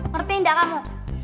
ngerti enggak kamu